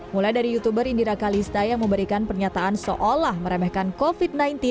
mulai dari youtuber indira kalista yang memberikan pernyataan seolah meremehkan covid sembilan belas